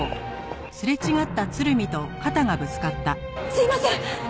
すいません！